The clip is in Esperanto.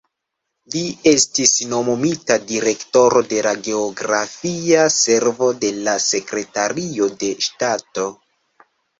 Li estis nomumita direktoro de la geografia servo de la Sekretario de Ŝtato.